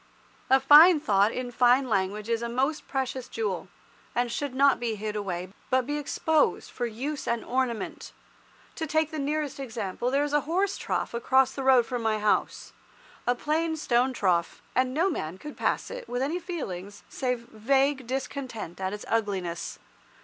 A fine thought in fine language is a most precious jewel, and should not be hid away, but be exposed for use and ornament. To take the nearest example, there is a horse trough across the road from my house, a plain stone trough, and no man could pass it with any feelings save vague discontent at its ugliness.